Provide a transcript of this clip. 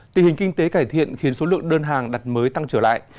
tình hình kinh tế cải thiện khiến số lượng đơn hàng đặt mới tăng trở lại